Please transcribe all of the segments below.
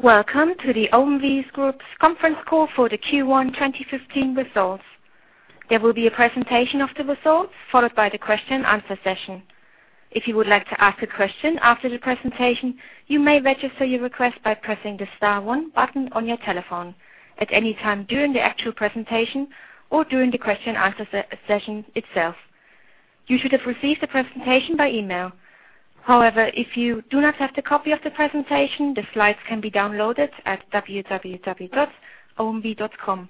Welcome to the OMV Group's conference call for the Q1 2015 results. There will be a presentation of the results, followed by the question and answer session. If you would like to ask a question after the presentation, you may register your request by pressing the star one button on your telephone at any time during the actual presentation or during the question and answer session itself. You should have received the presentation by email. However, if you do not have the copy of the presentation, the slides can be downloaded at www.omv.com.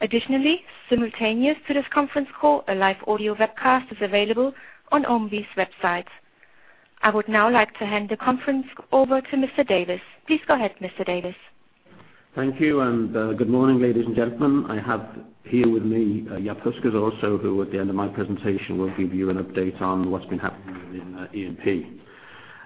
Additionally, simultaneous to this conference call, a live audio webcast is available on OMV's website. I would now like to hand the conference over to Mr. Davies. Please go ahead, Mr. Davies. Thank you, and good morning, ladies and gentlemen. I have here with me Jaap Huijskes, also who at the end of my presentation will give you an update on what's been happening in E&P.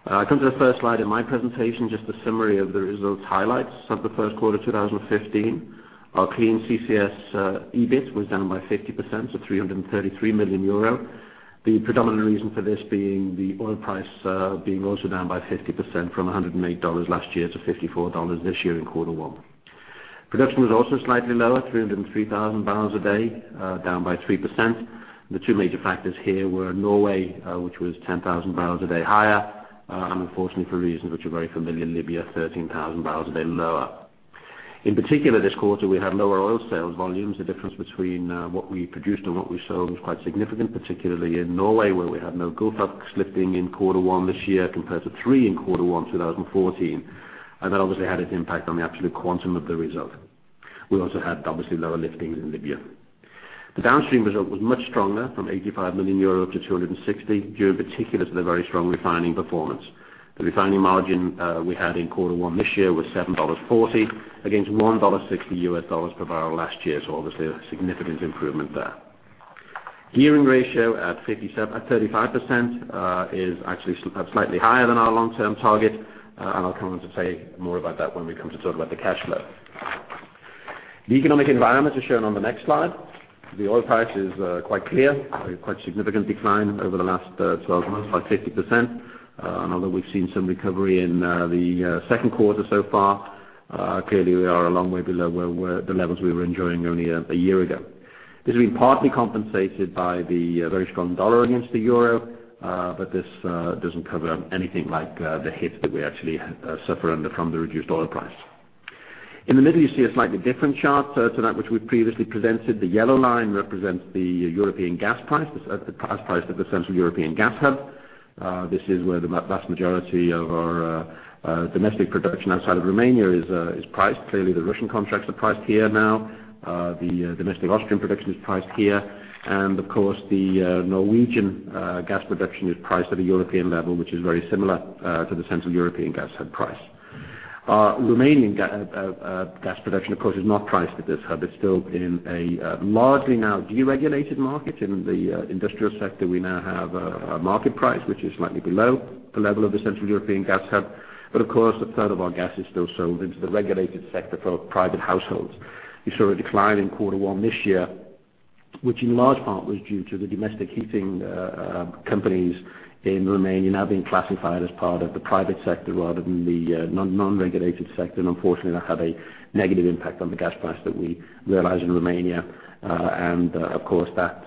I come to the first slide in my presentation, just a summary of the results highlights of the first quarter 2015. Our clean CCS EBIT was down by 50%, so 333 million euro. The predominant reason for this being the oil price being also down by 50% from EUR 108 last year to EUR 54 this year in quarter one. Production was also slightly lower, 303,000 barrels a day, down by 3%. The two major factors here were Norway, which was 10,000 barrels a day higher, and unfortunately, for reasons which are very familiar, Libya, 13,000 barrels a day lower. In particular, this quarter, we had lower oil sales volumes. The difference between what we produced and what we sold was quite significant, particularly in Norway, where we had no Gullfaks lifting in quarter one this year compared to three in Q1 2014. That obviously had its impact on the absolute quantum of the result. We also had obviously lower lifting in Libya. The downstream result was much stronger, from 85 million euro to 260 million, due in particular to the very strong refining performance. The refining margin we had in quarter one this year was $7.40 against $1.60 US dollars per barrel last year. So obviously, a significant improvement there. Gearing ratio at 35% is actually slightly higher than our long-term target. I'll come on to say more about that when we come to talk about the cash flow. The economic environment is shown on the next slide. The oil price is quite clear, a quite significant decline over the last 12 months, like 50%. Although we've seen some recovery in the second quarter so far, clearly we are a long way below the levels we were enjoying only a year ago. This has been partly compensated by the very strong dollar against the euro, but this doesn't cover anything like the hit that we actually suffer under from the reduced oil price. In the middle, you see a slightly different chart to that which we previously presented. The yellow line represents the European gas price as priced at the Central European Gas Hub. This is where the vast majority of our domestic production outside of Romania is priced. Clearly, the Russian contracts are priced here now. The domestic Austrian production is priced here. Of course, the Norwegian gas production is priced at a European level, which is very similar to the Central European Gas Hub price. Romanian gas production, of course, is not priced at this hub. It's still in a largely now deregulated market. In the industrial sector, we now have a market price, which is slightly below the level of the Central European Gas Hub. Of course, a third of our gas is still sold into the regulated sector for private households. You saw a decline in quarter one this year, which in large part was due to the domestic heating companies in Romania now being classified as part of the private sector rather than the non-regulated sector. Unfortunately, that had a negative impact on the gas price that we realized in Romania. Of course, that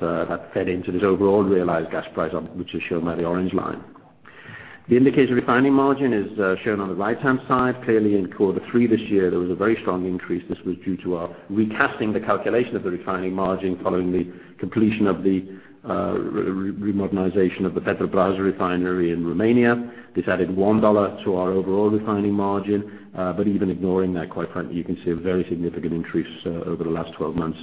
fed into this overall realized gas price, which is shown by the orange line. The indicator refining margin is shown on the right-hand side. Clearly in quarter three this year, there was a very strong increase. This was due to our recasting the calculation of the refining margin following the completion of the remodernization of the Petrobrazi refinery in Romania. This added $1 to our overall refining margin. Even ignoring that, quite frankly, you can see a very significant increase over the last 12 months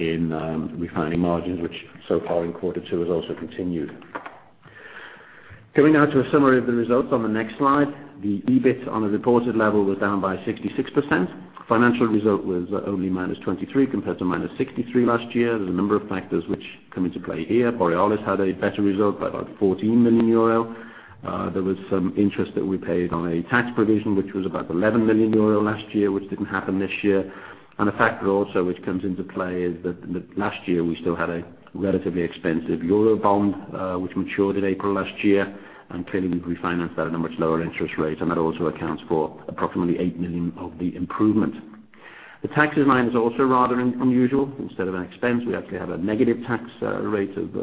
in refining margins, which so far in quarter two has also continued. Coming now to a summary of the results on the next slide. The EBIT on a reported level was down by 66%. Financial result was only minus 23 compared to minus 63 last year. There is a number of factors which come into play here. Borealis had a better result by about 14 million euro. There was some interest that we paid on a tax provision, which was about 11 million euro last year, which didn't happen this year. A factor also which comes into play is that last year we still had a relatively expensive euro bond, which matured in April last year, and clearly we refinanced that at a much lower interest rate, and that also accounts for approximately 8 million of the improvement. The taxes line is also rather unusual. Instead of an expense, we actually have a negative tax rate of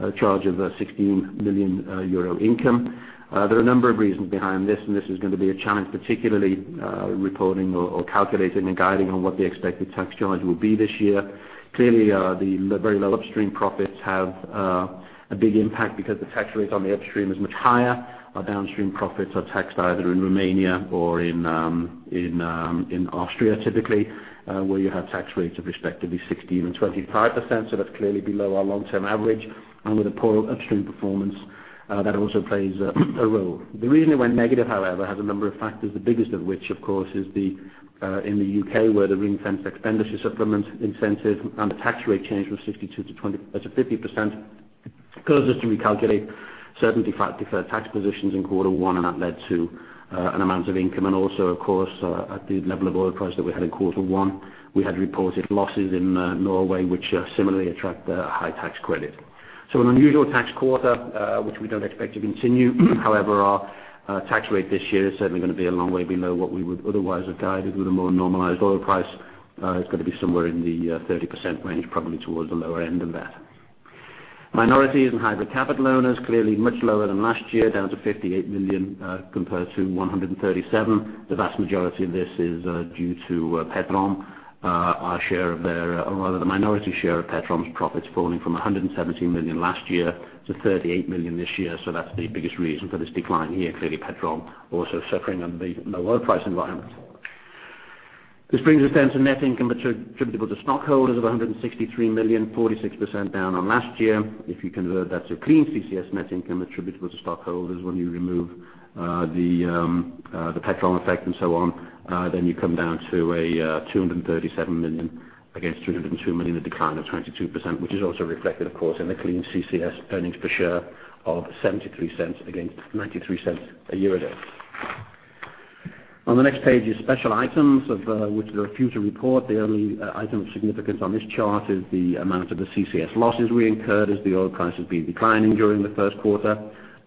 a charge of 16 million euro income. There are a number of reasons behind this, and this is going to be a challenge, particularly reporting or calculating and guiding on what the expected tax charge will be this year. Clearly, the very low upstream profits have a big impact because the tax rates on the upstream is much higher. Our downstream profits are taxed either in Romania or in Austria, typically, where you have tax rates of respectively 16% and 25%. That's clearly below our long-term average. With a poor upstream performance, that also plays a role. The reason it went negative, however, has a number of factors, the biggest of which, of course, is in the U.K., where the Ring Fence Expenditure Supplement incentive and the tax rate change from 52% to 50%, caused us to recalculate certain deferred tax positions in quarter one, and that led to an amount of income. Also, of course, at the level of oil price that we had in quarter one, we had reported losses in Norway, which similarly attract a high tax credit. An unusual tax quarter, which we don't expect to continue. However, our tax rate this year is certainly going to be a long way below what we would otherwise have guided with a more normalized oil price. It's going to be somewhere in the 30% range, probably towards the lower end of that. Minorities and hybrid capital owners, clearly much lower than last year, down to 58 million compared to 137 million. The vast majority of this is due to OMV Petrom. The minority share of OMV Petrom's profits falling from 117 million last year to 38 million this year. That's the biggest reason for this decline here. Clearly, OMV Petrom also suffering under the low oil price environment. This brings us to net income attributable to stockholders of 163 million, 46% down on last year. If you convert that to clean CCS net income attributable to stockholders, when you remove the OMV Petrom effect and so on, you come down to 237 million against 202 million, a decline of 22%, which is also reflected, of course, in the clean CCS Earnings Per Share of 0.73 against 0.93 a year ago. On the next page is special items of which there are a few to report. The only item of significance on this chart is the amount of the CCS losses we incurred as the oil price has been declining during the first quarter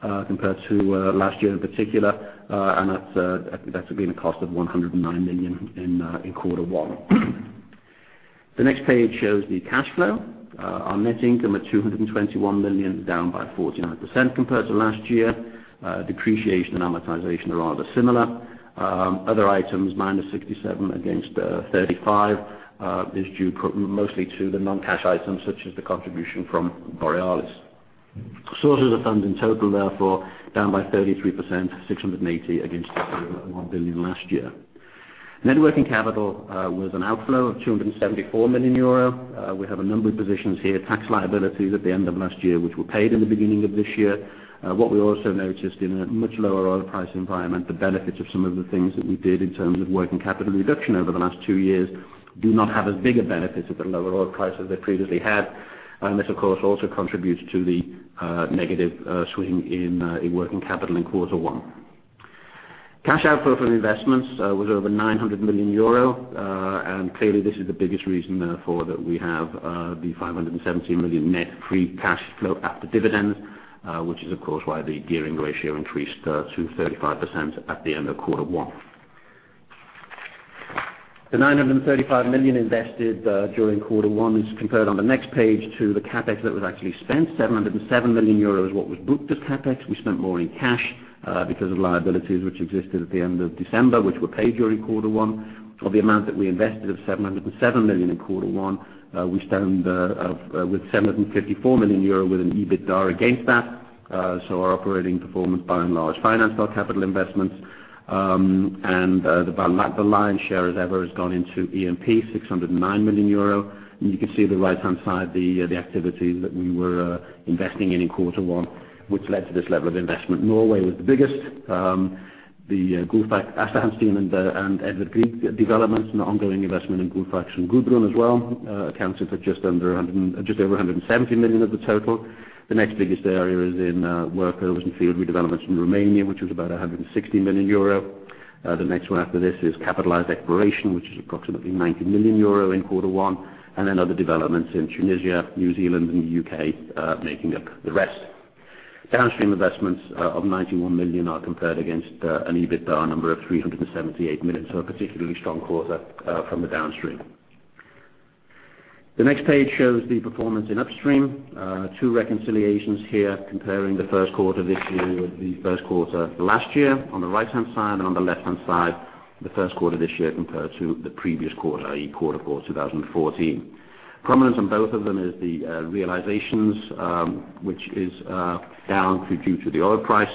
compared to last year in particular. That's been a cost of 109 million in Q1. The next page shows the cash flow. Our net income at 221 million, down by 14% compared to last year. Depreciation and amortization are rather similar. Other items, minus 67 million against 35 million, is due mostly to the non-cash items such as the contribution from Borealis. Sources of funds in total, therefore, down by 33%, 680 million against 1 billion last year. Net working capital was an outflow of 274 million euro. We have a number of positions here, tax liabilities at the end of last year, which were paid in the beginning of this year. What we also noticed in a much lower oil price environment, the benefits of some of the things that we did in terms of working capital reduction over the last two years do not have as big a benefit at the lower oil price as they previously had. This, of course, also contributes to the negative swing in working capital in Q1. Cash outflow from investments was over 900 million euro. Clearly, this is the biggest reason, therefore, that we have the 517 million net free cash flow after dividends, which is, of course, why the gearing ratio increased to 35% at the end of Q1. The 935 million invested during Q1 is compared on the next page to the CapEx that was actually spent, 707 million euros what was booked as CapEx. We spent more in cash because of liabilities which existed at the end of December, which were paid during Q1. Of the amount that we invested of 707 million in Q1, we stand with 754 million euro with an EBITDA against that. Our operating performance, by and large, financed our capital investments. The lion's share, as ever, has gone into E&P 609 million euro. You can see the right-hand side, the activities that we were investing in in Q1, which led to this level of investment. Norway was the biggest. The Gullfaks, Aasta Hansteen, and Edvard Grieg developments and the ongoing investment in Gullfaks and Gudrun as well accounted for just over 170 million of the total. The next biggest area is in workovers and field redevelopments in Romania, which was about 160 million euro. The next one after this is capitalized exploration, which is approximately 90 million euro in Q1, and then other developments in Tunisia, New Zealand, and the U.K. making up the rest. Downstream investments of 91 million are compared against an EBITDA number of 378 million. A particularly strong quarter from the downstream. The next page shows the performance in upstream. Two reconciliations here comparing the Q1 this year with the Q1 last year on the right-hand side and on the left-hand side, the Q1 this year compared to the previous quarter, i.e., Q4 2014. Prominence on both of them is the realizations, which is down due to the oil price,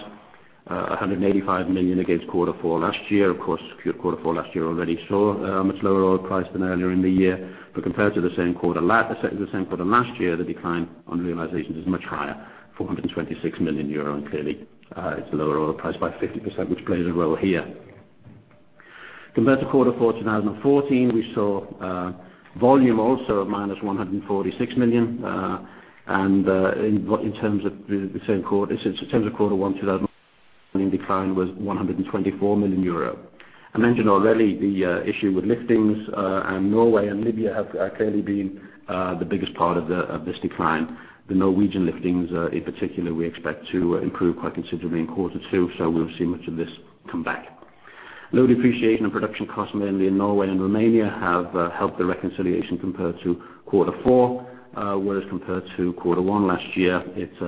185 million against Q4 last year. Q4 last year already saw a much lower oil price than earlier in the year. Compared to the same quarter last year, the decline on realizations is much higher, 426 million euro. Clearly, it's a lower oil price by 50%, which plays a role here. Compared to Q4 2014, we saw volume also of minus 146 million. In terms of Q1 2015, the decline was 124 million euro. I mentioned already the issue with liftings, Norway and Libya have clearly been the biggest part of this decline. The Norwegian liftings, in particular, we expect to improve quite considerably in Q2, we'll see much of this come back. Lower depreciation and production costs mainly in Norway and Romania have helped the reconciliation compared to Q4, compared to Q1 last year, it's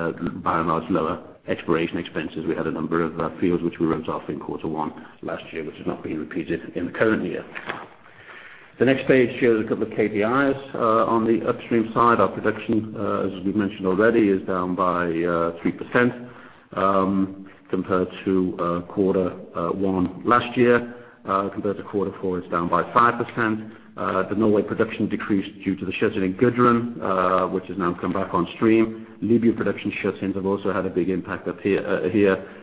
by and large lower exploration expenses. We had a number of fields which we wrote off in Q1 last year, which is not being repeated in the current year. The next page shows a couple of KPIs on the upstream side. Our production, as we've mentioned already, is down by 3% compared to Q1 last year. Compared to Q4, it's down by 5%. The Norway production decreased due to the scheduling Gudrun, which has now come back on stream. Libya production shut-ins have also had a big impact here,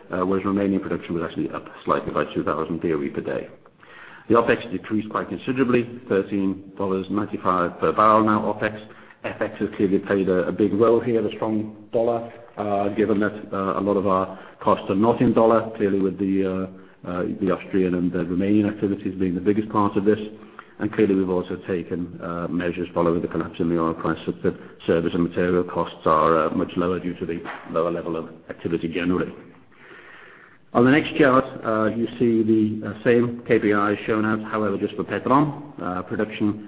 whereas Romanian production was actually up slightly by 2,000 BOE per day. The OpEx decreased quite considerably, $13.95 per barrel now OpEx. FX has clearly played a big role here, the strong dollar, given that a lot of our costs are not in dollar, clearly with the Austrian and the Romanian activities being the biggest part of this. Clearly, we've also taken measures following the collapse in the oil price, so service and material costs are much lower due to the lower level of activity generally. On the next chart, you see the same KPIs shown, however, just for Petrom. Production,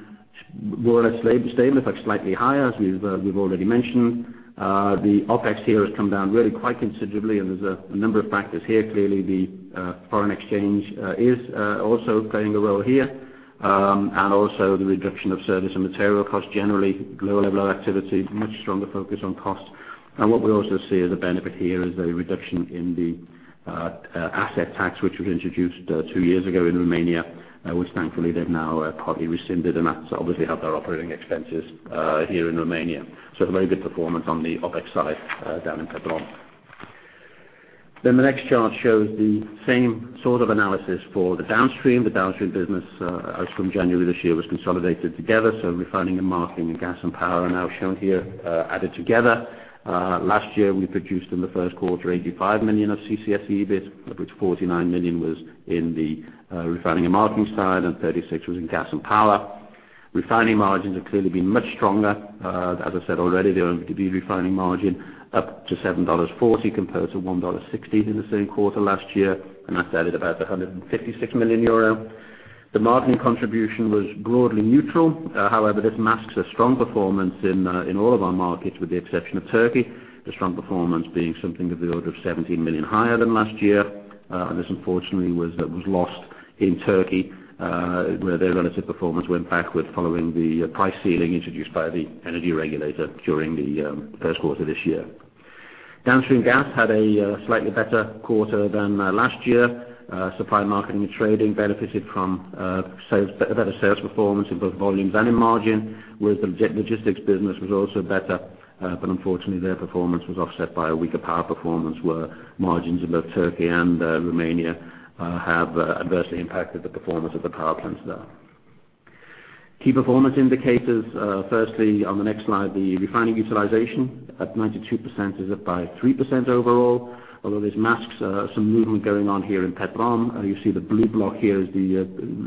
more or less stable, in fact, slightly higher, as we've already mentioned. The OpEx here has come down really quite considerably, and there's a number of factors here. Clearly, the foreign exchange is also playing a role here. Also the reduction of service and material costs, generally lower level of activity, much stronger focus on costs. What we also see as a benefit here is a reduction in the asset tax, which was introduced two years ago in Romania, which thankfully they have now partly rescinded, and that obviously helped our operating expenses here in Romania. So a very good performance on the OpEx side down in OMV Petrom. The next chart shows the same sort of analysis for the Downstream. The Downstream business, as from January this year, was consolidated together. So Refining and Marketing, and Gas and Power are now shown here added together. Last year, we produced in the first quarter, 85 million of clean CCS EBIT, of which 49 million was in the Refining and Marketing side, and 36 million was in Gas and Power. Refining margins have clearly been much stronger. As I said already, the OMV refining indicator margin up to $7.40 compared to $1.16 in the same quarter last year, and that has added about 156 million euro. The marketing contribution was broadly neutral. This masks a strong performance in all of our markets, with the exception of Turkey. The strong performance being something of the order of 17 million higher than last year. This, unfortunately, was lost in Turkey, where their relative performance went backward following the price ceiling introduced by the energy regulator during the first quarter this year. Downstream Gas had a slightly better quarter than last year. Supply, marketing, and trading benefited from better sales performance in both volumes and in margin, whereas the logistics business was also better. Unfortunately, their performance was offset by a weaker power performance, where margins in both Turkey and Romania have adversely impacted the performance of the power plants there. Key performance indicators. Firstly, on the next slide, the refining utilization at 92% is up by 3% overall. Although this masks some movement going on here in OMV Petrom. You see the blue block here is the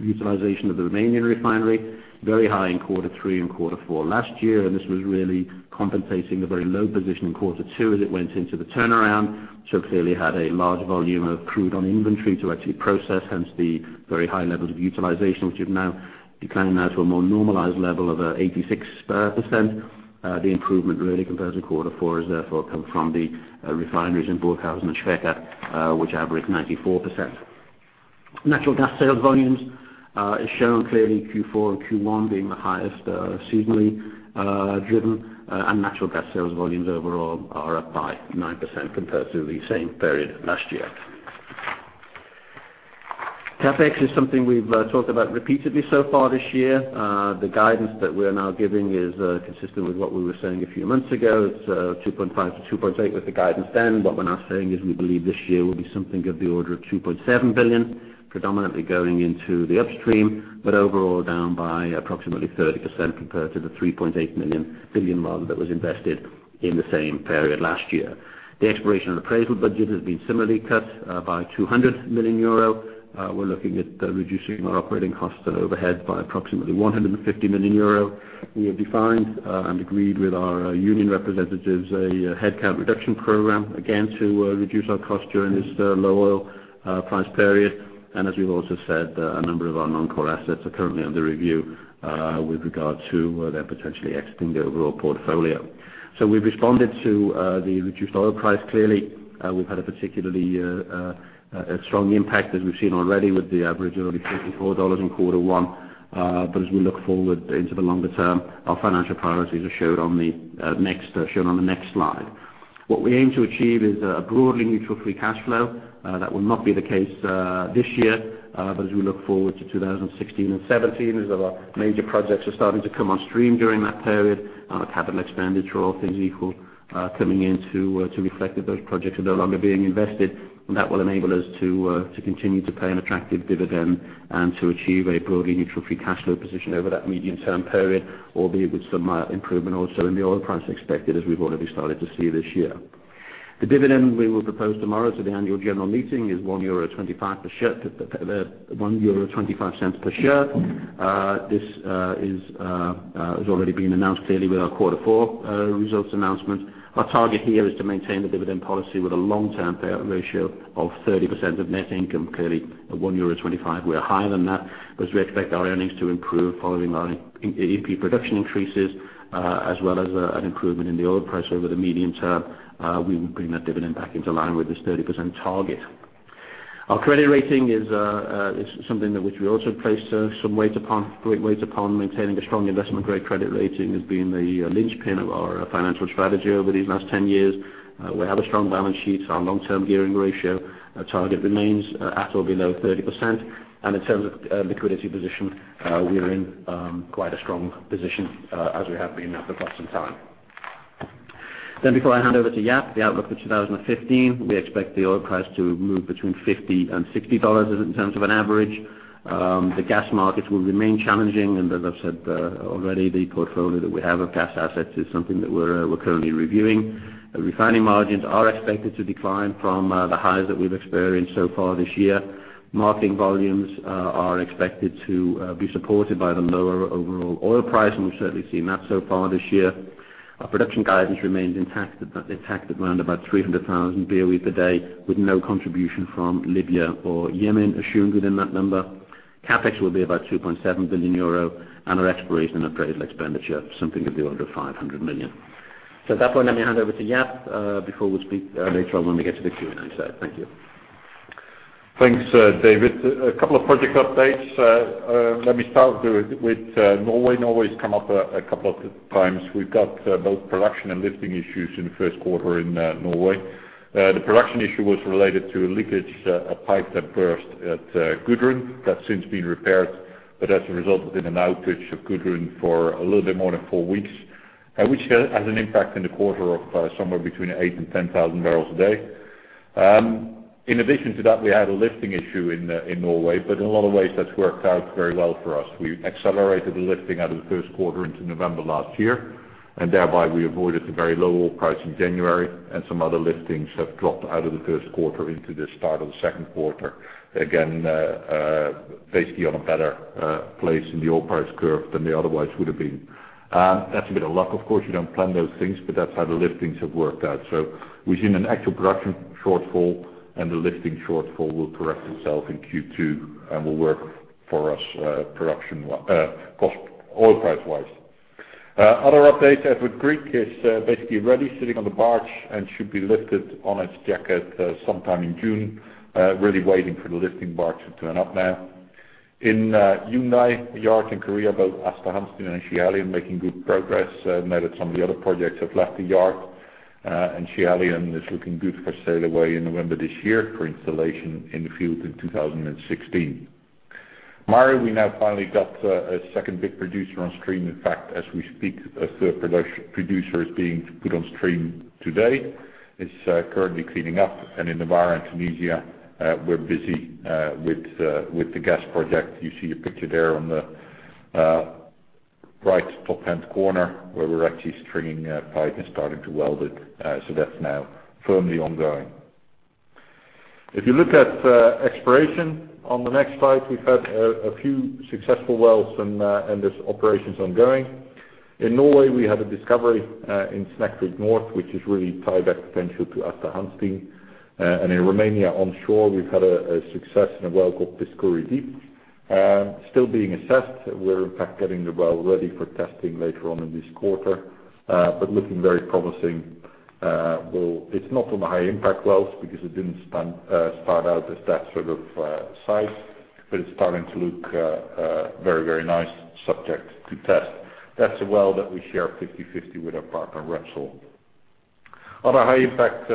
utilization of the Romanian refinery. Very high in quarter three and quarter four last year, and this was really compensating a very low position in quarter two as it went into the turnaround. So clearly had a large volume of crude on inventory to actually process, hence the very high levels of utilization, which have now declined now to a more normalized level of 86%. The improvement really compares to quarter four has therefore come from the refineries in Burghausen and Schwechat, which average 94%. Natural gas sales volumes is shown clearly Q4 and Q1 being the highest, seasonally driven. Natural gas sales volumes overall are up by 9% compared to the same period last year. CapEx is something we have talked about repeatedly so far this year. The guidance that we are now giving is consistent with what we were saying a few months ago. It is 2.5 billion to 2.8 billion with the guidance then. What we are now saying is we believe this year will be something of the order of 2.7 billion, predominantly going into the Upstream, but overall down by approximately 30% compared to the 3.8 billion run that was invested in the same period last year. The exploration and appraisal budget has been similarly cut by 200 million euro. We are looking at reducing our operating costs and overhead by approximately 150 million euro. We have defined and agreed with our union representatives a headcount reduction program, again, to reduce our cost during this low oil price period. As we've also said, a number of our non-core assets are currently under review with regard to their potentially exiting the overall portfolio. We've responded to the reduced oil price. Clearly, we've had a particularly strong impact, as we've seen already with the average early $54 in quarter one. As we look forward into the longer term, our financial priorities are shown on the next slide. What we aim to achieve is a broadly neutral free cash flow. That will not be the case this year. As we look forward to 2016 and 2017, as our major projects are starting to come on stream during that period, our capital expenditures, all things equal, coming in to reflect that those projects are no longer being invested. That will enable us to continue to pay an attractive dividend and to achieve a broadly neutral free cash flow position over that medium-term period, albeit with some improvement also in the oil price expected as we've already started to see this year. The dividend we will propose tomorrow to the annual general meeting is 1.25 euro per share. This has already been announced, clearly, with our quarter four results announcement. Our target here is to maintain the dividend policy with a long-term payout ratio of 30% of net income. Clearly, at 1.25 euro we are higher than that. As we expect our earnings to improve following our E&P production increases, as well as an improvement in the oil price over the medium term, we will bring that dividend back into line with this 30% target. Our credit rating is something that which we also place some great weight upon maintaining a strong investment-grade credit rating as being the linchpin of our financial strategy over these last 10 years. We have a strong balance sheet. Our long-term gearing ratio target remains at or below 30%. In terms of liquidity position, we are in quite a strong position as we have been for quite some time. Before I hand over to Jaap, the outlook for 2015, we expect the oil price to move between $50 and $60 in terms of an average. The gas markets will remain challenging. As I've said already, the portfolio that we have of gas assets is something that we're currently reviewing. The refining margins are expected to decline from the highs that we've experienced so far this year. Marketing volumes are expected to be supported by the lower overall oil price. We've certainly seen that so far this year. Our production guidance remains intact at around about 300,000 BOE per day, with no contribution from Libya or Yemen assumed within that number. CapEx will be about 2.7 billion euro, and our exploration appraisal expenditure, something of the order of 500 million. At that point, let me hand over to Jaap, before we speak later on when we get to the Q&A set. Thank you. Thanks, David. A couple of project updates. Let me start with Norway. Norway's come up a couple of times. We've got both production and lifting issues in the first quarter in Norway. The production issue was related to a leakage, a pipe that burst at Gudrun. That's since been repaired, but as a result, there's been an outage of Gudrun for a little bit more than four weeks, which has an impact in the quarter of somewhere between 8,000 and 10,000 barrels a day. In addition to that, we had a lifting issue in Norway, but in a lot of ways, that's worked out very well for us. We accelerated the lifting out of the first quarter into November last year, and thereby we avoided the very low oil price in January, and some other liftings have dropped out of the first quarter into the start of the second quarter. Again, basically on a better place in the oil price curve than they otherwise would have been. That's a bit of luck. Of course, you don't plan those things, but that's how the liftings have worked out. We've seen an actual production shortfall, and the lifting shortfall will correct itself in Q2 and will work for us, oil price-wise. Other updates, Edvard Grieg is basically ready, sitting on the barge and should be lifted on its jacket sometime in June, really waiting for the lifting barge to turn up now. In Ulsan, a yard in Korea, both Aasta Hansteen and Schiehallion making good progress. Note that some of the other projects have left the yard, and Schiehallion is looking good for sail away in November this year for installation in the field in 2016. Maari, we now finally got a second big producer on stream. In fact, as we speak, a third producer is being put on stream today. It's currently cleaning up, and in the Nawara in Tunisia, we're busy with the gas project. You see a picture there on the right top-hand corner, where we're actually stringing pipe and starting to weld it. That's now firmly ongoing. If you look at exploration on the next slide, we've had a few successful wells and there's operations ongoing. In Norway, we had a discovery, in Snefrid North, which is really tieback potential to Aasta Hansteen. In Romania onshore, we've had a success in a well called Piscarii Deep. Still being assessed. We're in fact getting the well ready for testing later on in this quarter. Looking very promising. Well, it's not on the high impact wells because it didn't start out as that sort of size, but it's starting to look very, very nice, subject to test. That's a well that we share 50/50 with our partner, Repsol. Other high impact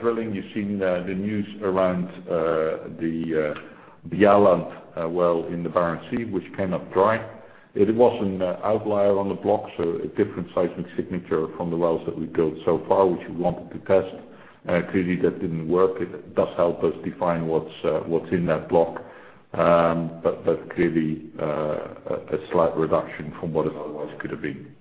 drilling, you've seen the news around the Wisting well in the Barents Sea, which came up dry. It was an outlier on the block, so a different seismic signature from the wells that we drilled so far, which we wanted to test. Clearly, that didn't work. It does help us define what's in that block. Clearly, a slight reduction from what it otherwise could have been.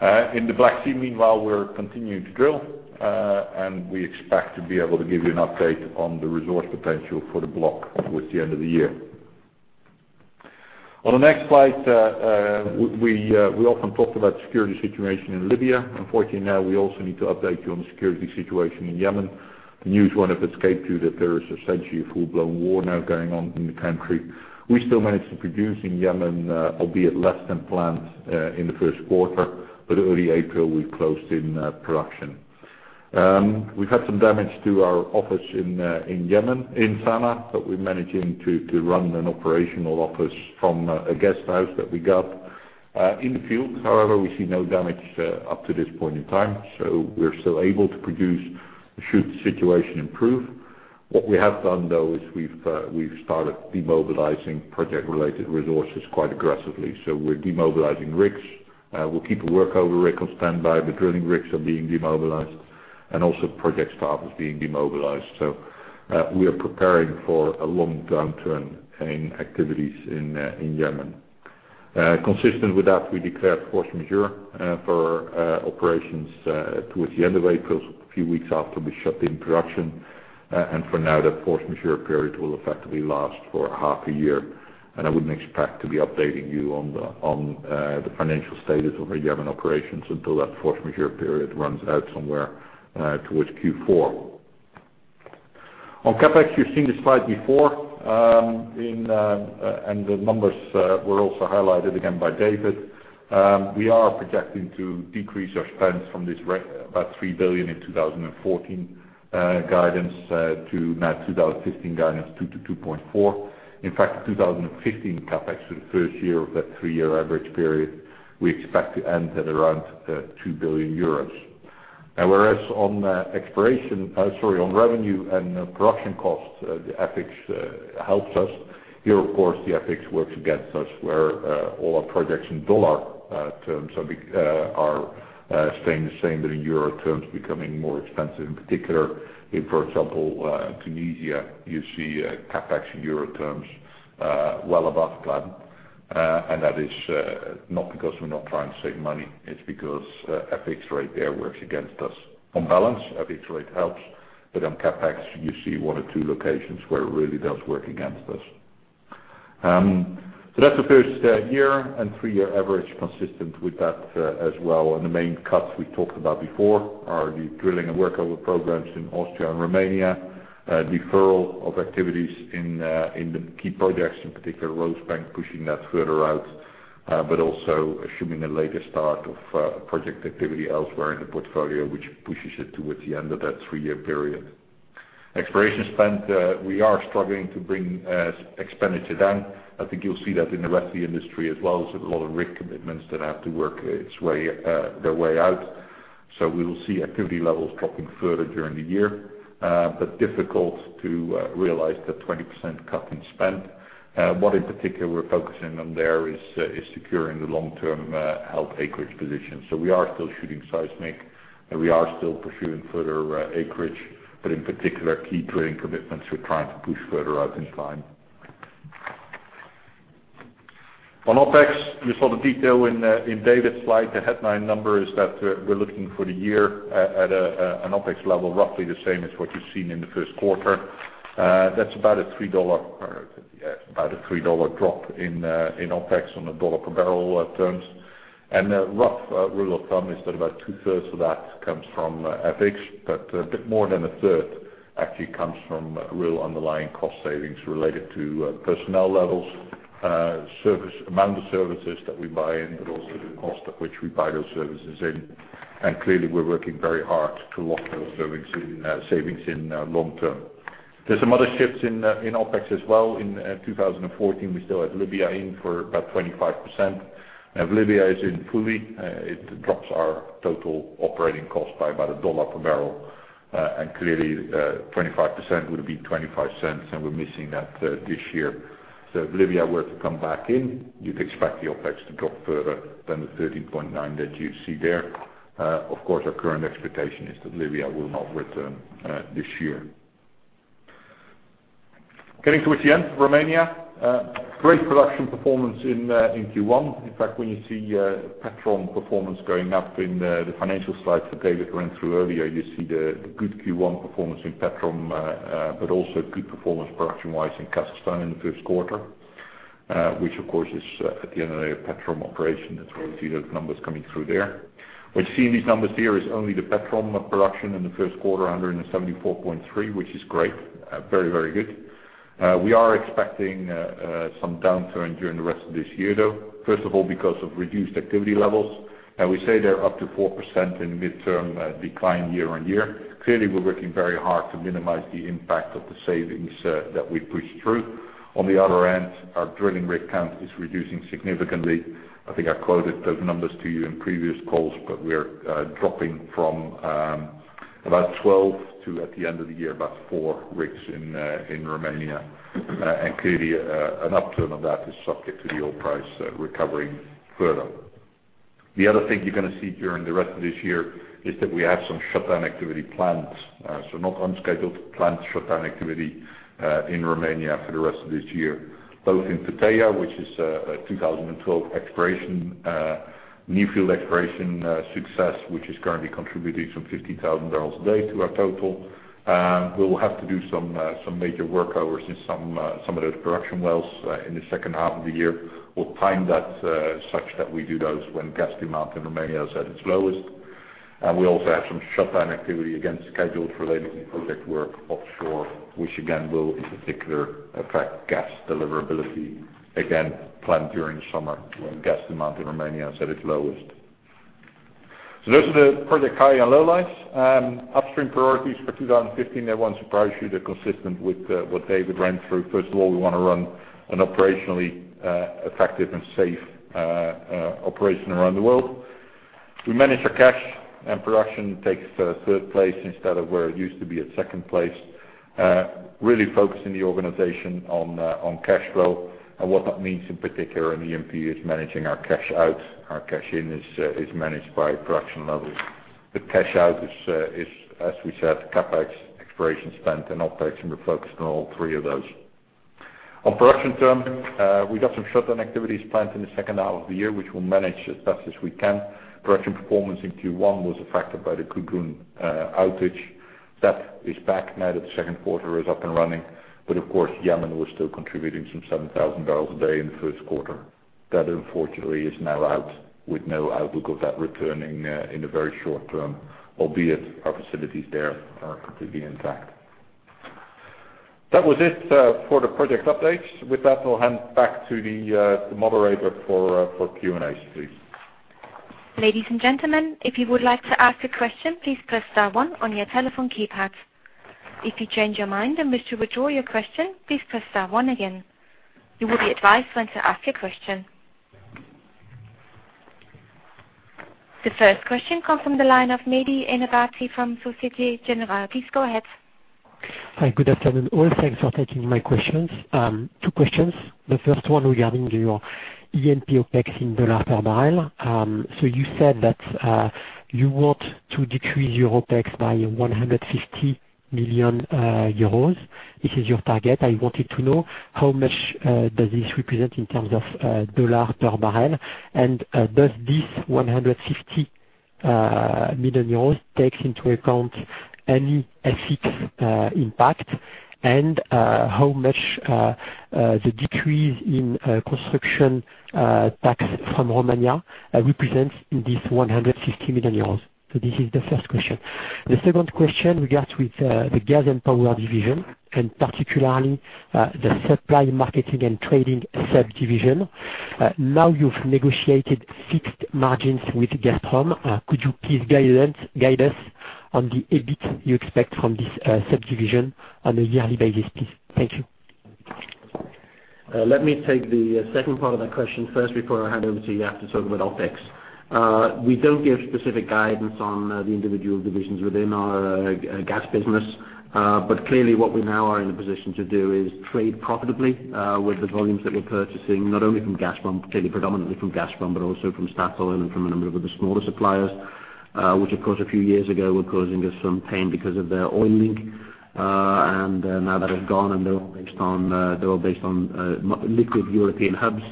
In the Black Sea, meanwhile, we're continuing to drill, and we expect to be able to give you an update on the resource potential for the block towards the end of the year. On the next slide, we often talked about the security situation in Libya. Unfortunately, now we also need to update you on the security situation in Yemen. The news won't have escaped you that there is essentially a full-blown war now going on in the country. We still managed to produce in Yemen, albeit less than planned, in the first quarter, but early April, we closed in production. We've had some damage to our office in Yemen, in Sanaa, but we're managing to run an operational office from a guest house that we got. In the fields, however, we see no damage up to this point in time, so we're still able to produce should the situation improve. What we have done, though, is we've started demobilizing project-related resources quite aggressively. We're demobilizing rigs. We'll keep a workover rig on standby, but drilling rigs are being demobilized, and also project staff is being demobilized. We are preparing for a long downturn in activities in Yemen. Consistent with that, we declared force majeure for operations towards the end of April, a few weeks after we shut in production, and for now, that force majeure period will effectively last for half a year. I wouldn't expect to be updating you on the financial status of our Yemen operations until that force majeure period runs out somewhere towards Q4. On CapEx, you've seen this slide before, and the numbers were also highlighted again by David. We are projecting to decrease our spends from this about 3 billion in 2014 guidance to now 2015 guidance EUR 2 billion to 2.4 billion. In fact, 2015 CapEx for the first year of that three-year average period, we expect to end at around 2 billion euros. Whereas on revenue and production costs, the FX helps us. Here, of course, the FX works against us, where all our projects in dollar terms are staying the same, but in euro terms, becoming more expensive. In particular, if, for example, Tunisia, you see CapEx in euro terms well above plan. That is not because we're not trying to save money, it's because FX rate there works against us. On balance, FX rate helps, but on CapEx, you see one or two locations where it really does work against us. That's the first year and three-year average consistent with that as well. The main cuts we talked about before are the drilling and workover programs in Austria and Romania, deferral of activities in the key projects, in particular Rosebank, pushing that further out, but also assuming a later start of project activity elsewhere in the portfolio, which pushes it towards the end of that three-year period. Exploration spend, we are struggling to bring expenditure down. I think you'll see that in the rest of the industry as well. There's a lot of rig commitments that have to work their way out. We will see activity levels dropping further during the year. Difficult to realize the 20% cut in spend. What in particular we're focusing on there is securing the long-term health acreage position. We are still shooting seismic, we are still pursuing further acreage, in particular, key drilling commitments we're trying to push further out in time. On OpEx, you saw the detail in David's slide. The headline number is that we're looking for the year at an OpEx level, roughly the same as what you've seen in the first quarter. That's about a $3 drop in OpEx on a dollar per barrel terms. A rough rule of thumb is that about two-thirds of that comes from FX, a bit more than a third actually comes from real underlying cost savings related to personnel levels, amount of services that we buy in, but also the cost at which we buy those services in. Clearly, we're working very hard to lock those savings in long term. There's some other shifts in OpEx as well. In 2014, we still had Libya in for about 25%. If Libya is in fully, it drops our total operating cost by about $1 per barrel. Clearly, 25% would be $0.25, we're missing that this year. If Libya were to come back in, you could expect the OpEx to drop further than the 13.9 that you see there. Our current expectation is that Libya will not return this year. Getting towards the end, Romania, great production performance in Q1. In fact, when you see Petrom performance going up in the financial slides that David ran through earlier, you see the good Q1 performance in Petrom, also good performance production-wise in Kazakhstan in the first quarter, which is at the end of the Petrom operation. You see those numbers coming through there. What you see in these numbers here is only the Petrom production in the first quarter, 174.3, which is great. Very, very good. We are expecting some downturn during the rest of this year, though. First of all, because of reduced activity levels. We say they're up to 4% in midterm decline year on year. We're working very hard to minimize the impact of the savings that we push through. Our drilling rig count is reducing significantly. I think I quoted those numbers to you in previous calls, but we are dropping from about 12 to, at the end of the year, about four rigs in Romania. Clearly, an upturn on that is subject to the oil price recovering further. The other thing you're going to see during the rest of this year is that we have some shutdown activity planned. Not unscheduled, planned shutdown activity in Romania for the rest of this year, both in Pitești, which is a 2012 new field exploration success, which is currently contributing some 50,000 barrels a day to our total. We will have to do some major workovers in some of those production wells in the second half of the year. We'll time that such that we do those when gas demand in Romania is at its lowest. We also have some shutdown activity, again, scheduled related to project work offshore, which again, will in particular affect gas deliverability, again, planned during the summer when gas demand in Romania is at its lowest. Those are the project high and low lights. Upstream priorities for 2015, they won't surprise you. They're consistent with what David ran through. First of all, we want to run an operationally effective and safe operation around the world. We manage our cash. Production takes third place instead of where it used to be at second place. Really focusing the organization on cash flow. What that means, in particular in E&P, is managing our cash out. Our cash in is managed by production levels. The cash out is, as we said, CapEx, exploration spend, and OpEx. We're focused on all three of those. On production term, we've got some shutdown activities planned in the second half of the year, which we'll manage as best as we can. Production performance in Q1 was affected by the Gudrun outage. That is back now that the second quarter is up and running. Of course, Yemen was still contributing some 7,000 barrels a day in the first quarter. That, unfortunately, is now out with no outlook of that returning in the very short term, albeit our facilities there are completely intact. That was it for the project updates. With that, I'll hand back to the moderator for Q&A, please. Ladies and gentlemen, if you would like to ask a question, please press star one on your telephone keypad. If you change your mind and wish to withdraw your question, please press star one again. You will be advised when to ask your question. The first question comes from the line of Mehdi Ennebati from Societe Generale. Please go ahead. Hi. Good afternoon, all. Thanks for taking my questions. Two questions. The first one regarding your E&P OpEx in dollar per barrel. You said that you want to decrease your OpEx by 150 million euros. This is your target. I wanted to know how much does this represent in terms of dollar per barrel. Does this 150 million euros take into account any FX impact, and how much the decrease in construction tax from Romania represents in this 150 million euros? This is the first question. The second question regards with the gas and power division, and particularly, the supply marketing and trading subdivision. Now you've negotiated fixed margins with Gazprom. Could you please guide us on the EBIT you expect from this subdivision on a yearly basis, please? Thank you. Let me take the second part of that question first, before I hand over to Jaap to talk about OpEx. We don't give specific guidance on the individual divisions within our gas business. Clearly what we now are in a position to do is trade profitably, with the volumes that we're purchasing, not only from Gazprom, clearly predominantly from Gazprom, but also from Statoil and from a number of the smaller suppliers, which of course a few years ago were causing us some pain because of their oil link. Now they're gone, and they're all based on liquid European hubs,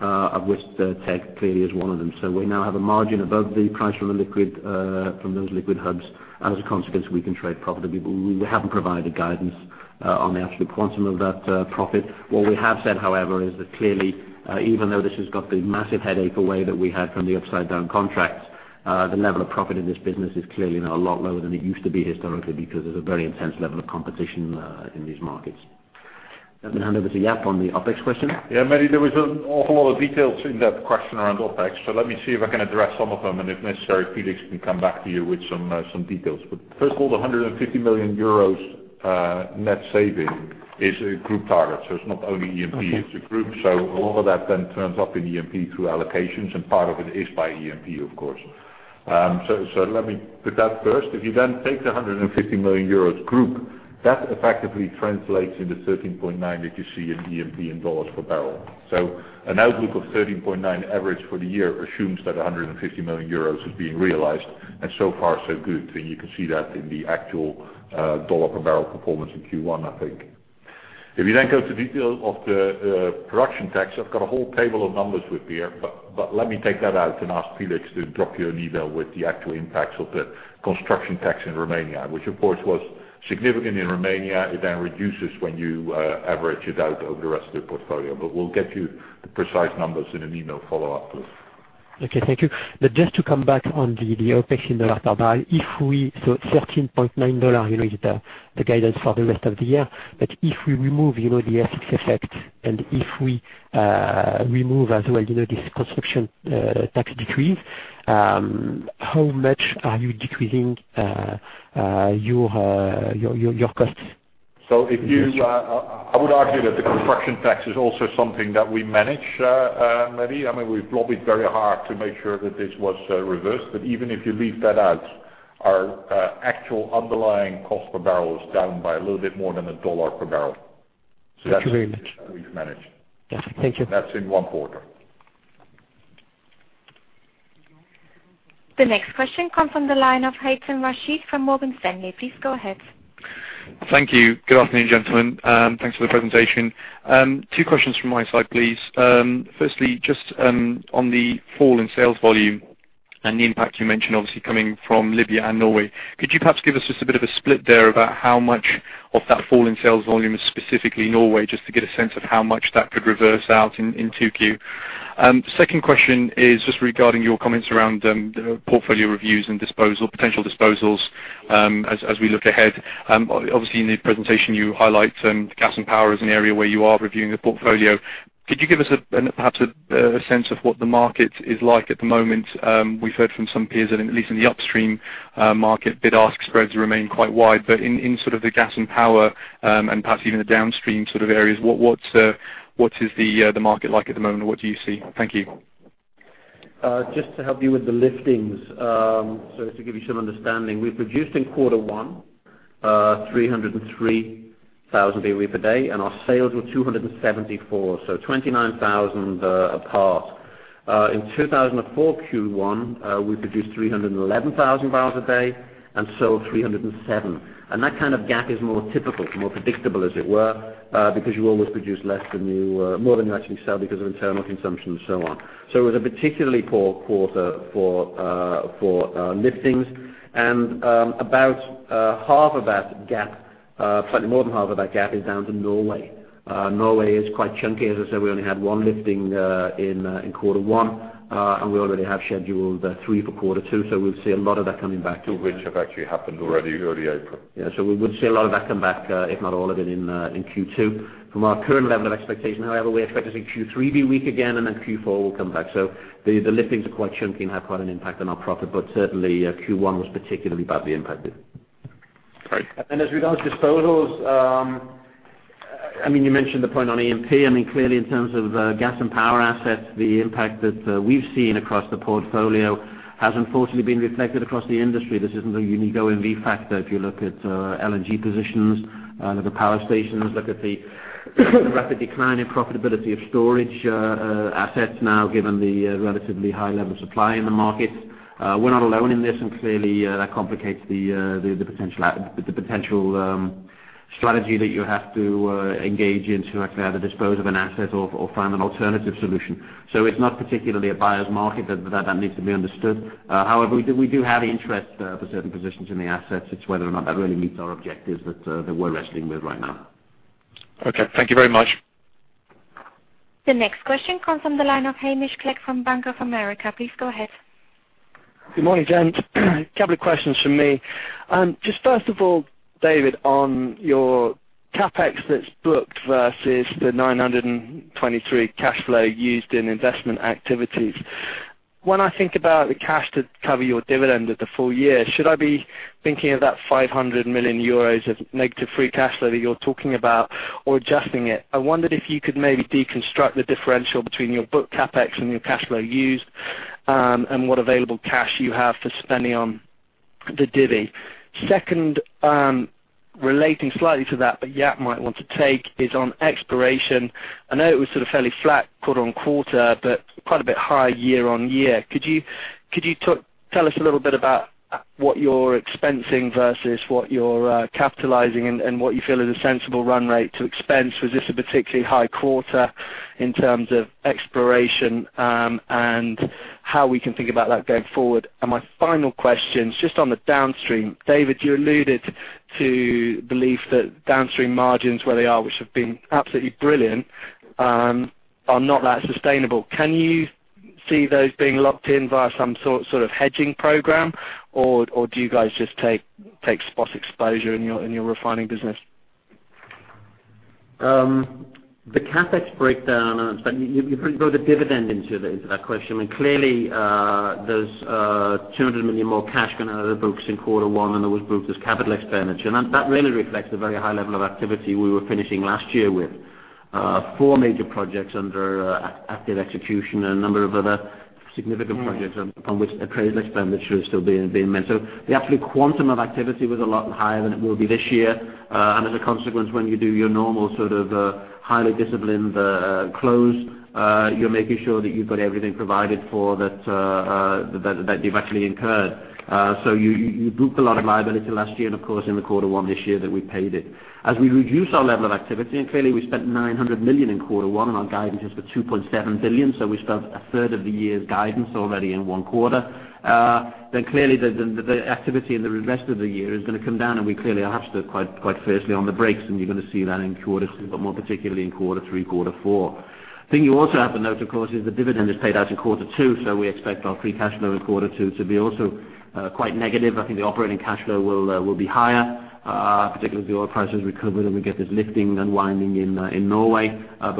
of which CEGH clearly is one of them. We now have a margin above the price from those liquid hubs. As a consequence, we can trade profitably. We haven't provided guidance on the actual quantum of that profit. What we have said, however, is that clearly, even though this has got the massive headache away that we had from the upside-down contracts, the level of profit in this business is clearly now a lot lower than it used to be historically because there's a very intense level of competition in these markets. Let me hand over to Jaap on the OpEx question. Mehdi, there was an awful lot of details in that question around OpEx. Let me see if I can address some of them, and if necessary, Felix can come back to you with some details. First of all, the 150 million euros net saving is a group target. It's not only E&P, it's a group. A lot of that then turns up in E&P through allocations, and part of it is by E&P, of course. Let me put that first. If you then take the 150 million euros group, that effectively translates into $13.9 that you see in E&P in dollars per barrel. An outlook of $13.9 average for the year assumes that 150 million euros is being realized, and so far, so good. You can see that in the actual $ per barrel performance in Q1, I think. If you then go to details of the asset tax, I've got a whole table of numbers with me here. Let me take that out and ask Felix to drop you an email with the actual impacts of the construction tax in Romania, which of course was significant in Romania. It then reduces when you average it out over the rest of the portfolio. We'll get you the precise numbers in an email follow-up. Okay, thank you. Just to come back on the OpEx in dollar per barrel, so at $13.9, the guidance for the rest of the year. If we remove the FX effect, and if we remove as well this construction tax decrease, how much are you decreasing your costs? I would argue that the construction tax is also something that we manage, Mehdi. We lobbied very hard to make sure that this was reversed. Even if you leave that out, our actual underlying cost per barrel is down by a little bit more than a dollar per barrel. That's great. That's something we've managed. Yes. Thank you. That's in one quarter. The next question comes from the line of Haythem Al-Ashry from Morgan Stanley. Please go ahead. Thank you. Good afternoon, gentlemen. Thanks for the presentation. Two questions from my side, please. Firstly, just on the fall in sales volume and the impact you mentioned, obviously, coming from Libya and Norway. Could you perhaps give us just a bit of a split there about how much of that fall in sales volume is specifically Norway, just to get a sense of how much that could reverse out in 2Q? Second question is just regarding your comments around portfolio reviews and potential disposals as we look ahead. Obviously, in the presentation you highlight gas and power as an area where you are reviewing the portfolio. Could you give us perhaps a sense of what the market is like at the moment? We've heard from some peers that at least in the upstream market, bid-ask spreads remain quite wide. In sort of the gas and power, and perhaps even the downstream sort of areas, what is the market like at the moment? What do you see? Thank you. Just to help you with the liftings, to give you some understanding. We produced in quarter one 303,000 BOE per day, and our sales were 274,000. 29,000 apart. In 2004 Q1, we produced 311,000 barrels a day and sold 307,000. That kind of gap is more typical, more predictable as it were, because you always produce more than you actually sell because of internal consumption and so on. It was a particularly poor quarter for liftings. About half of that gap, slightly more than half of that gap, is down to Norway. Norway is quite chunky. As I said, we only had one lifting in quarter one, and we already have scheduled three for quarter two, so we'll see a lot of that coming back too. Which have actually happened already, early April. Yeah. We would see a lot of that come back, if not all of it in Q2. From our current level of expectation, however, we expect to see Q3 be weak again, Q4 will come back. The liftings are quite chunky and have quite an impact on our profit, but certainly Q1 was particularly badly impacted. Great. As regards disposals You mentioned the point on E&P. Clearly, in terms of gas and power assets, the impact that we've seen across the portfolio has unfortunately been reflected across the industry. This isn't a unique OMV factor. If you look at LNG positions, look at power stations, look at the rapid decline in profitability of storage assets now, given the relatively high level of supply in the market. We're not alone in this, clearly that complicates the potential strategy that you have to engage in to either dispose of an asset or find an alternative solution. It's not particularly a buyer's market. That needs to be understood. However, we do have interest for certain positions in the assets. It's whether or not that really meets our objectives that we're wrestling with right now. Okay. Thank you very much. The next question comes from the line of Hamish Clegg from Bank of America. Please go ahead. Good morning, gents. A couple of questions from me. First of all, David C. Davies, on your CapEx that's booked versus the 923 cash flow used in investment activities. When I think about the cash to cover your dividend of the full year, should I be thinking of that €500 million of negative free cash flow that you're talking about or adjusting it? I wondered if you could maybe deconstruct the differential between your book CapEx and your cash flow used, and what available cash you have for spending on the divvy. Second, relating slightly to that, but Jaap Huijskes might want to take, is on exploration. I know it was sort of fairly flat quarter-on-quarter, but quite a bit high year-on-year. Could you tell us a little bit about what you're expensing versus what you're capitalizing and what you feel is a sensible run rate to expense? Was this a particularly high quarter in terms of exploration, and how we can think about that going forward? My final question is just on the downstream. David C. Davies, you alluded to belief that downstream margins where they are, which have been absolutely brilliant, are not that sustainable. Can you see those being locked in via some sort of hedging program, or do you guys just take spot exposure in your refining business? The CapEx breakdown, you've really brought the dividend into that question. Clearly, there's €200 million more cash going out of the books in quarter one than was booked as capital expenditure, and that really reflects the very high level of activity we were finishing last year with. Four major projects under active execution and a number of other significant projects on which appraised expenditure is still being met. The absolute quantum of activity was a lot higher than it will be this year. As a consequence, when you do your normal sort of highly disciplined close, you're making sure that you've got everything provided for that you've actually incurred. You booked a lot of liability last year, and of course in quarter one this year that we paid it. As we reduce our level of activity, clearly we spent 900 million in quarter one, our guidance is for 2.7 billion, we spent a third of the year's guidance already in one quarter. Clearly the activity in the rest of the year is going to come down, we clearly have to quite fiercely on the brakes, and you're going to see that in quarters, but more particularly in quarter three, quarter four. Thing you also have to note, of course, is the dividend is paid out in quarter two, we expect our free cash flow in quarter two to be also quite negative. I think the operating cash flow will be higher, particularly as the oil prices recover, and we get this lifting and winding in Norway.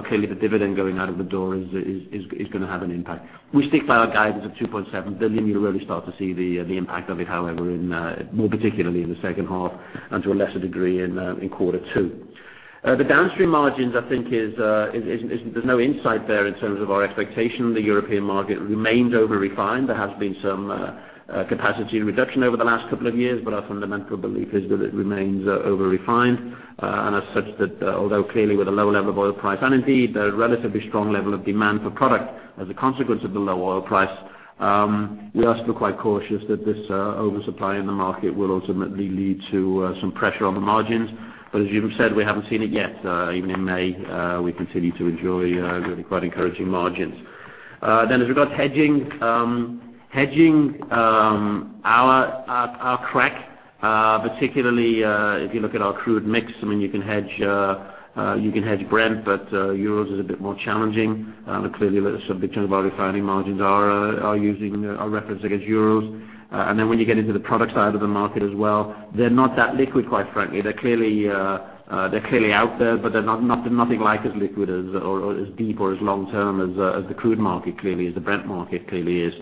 Clearly the dividend going out of the door is going to have an impact. We stick by our guidance of 2.7 billion. You will really start to see the impact of it, however, more particularly in the second half and to a lesser degree in quarter 2. The downstream margins, I think there is no insight there in terms of our expectation. The European market remains over-refined. There has been some capacity reduction over the last couple of years, but our fundamental belief is that it remains over-refined. As such that although clearly with a lower level of oil price and indeed a relatively strong level of demand for product as a consequence of the low oil price, we are still quite cautious that this oversupply in the market will ultimately lead to some pressure on the margins. But as you have said, we have not seen it yet. Even in May, we continue to enjoy really quite encouraging margins. As regards hedging, our crack, particularly if you look at our crude mix, you can hedge Brent, but Urals is a bit more challenging. Clearly some big turns of our refining margins are referenced against Urals. When you get into the product side of the market as well, they are not that liquid, quite frankly. They are clearly out there, but they are nothing like as liquid as, or as deep or as long-term as the crude market clearly is, the Brent market clearly is.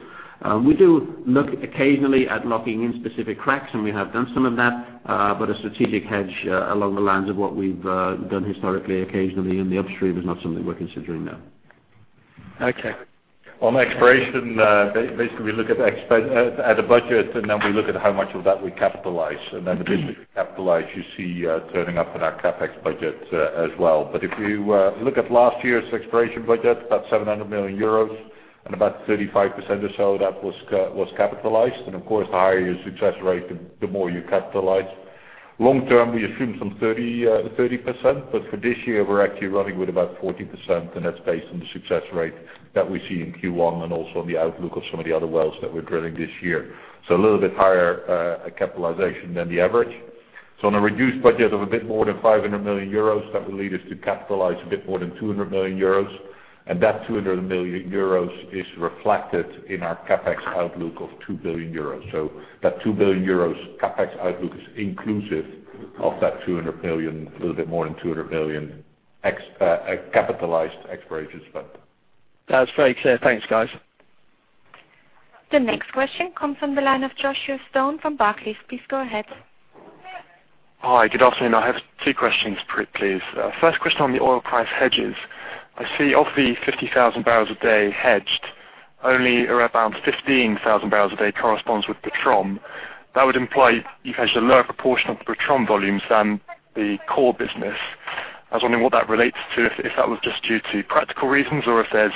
We do look occasionally at locking in specific cracks, and we have done some of that. But a strategic hedge along the lines of what we have done historically occasionally in the Upstream is not something we are considering now. Okay. On exploration, basically we look at a budget and then we look at how much of that we capitalize, and then the bit that we capitalize you see turning up in our CapEx budget as well. But if you look at last year's exploration budget, about 700 million euros and about 35% or so that was capitalized. Of course, the higher your success rate, the more you capitalize. Long term, we assume some 30%, but for this year, we are actually running with about 40%, and that is based on the success rate that we see in Q1 and also on the outlook of some of the other wells that we are drilling this year. So a little bit higher capitalization than the average. On a reduced budget of a bit more than 500 million euros, that will lead us to capitalize a bit more than 200 million euros. That 200 million euros is reflected in our CapEx outlook of 2 billion euros. So that 2 billion euros CapEx outlook is inclusive of that a little bit more than 200 million capitalized exploration spend. That's very clear. Thanks, guys. The next question comes from the line of Joshua Stone from Barclays. Please go ahead. Hi, good afternoon. I have two questions, please. First question on the oil price hedges. I see of the 50,000 barrels a day hedged, only around 15,000 barrels a day corresponds with Petrom. That would imply you've hedged a lower proportion of the Petrom volumes than the core business. I was wondering what that relates to, if that was just due to practical reasons or if there's